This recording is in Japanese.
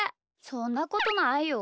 そんなことないよ。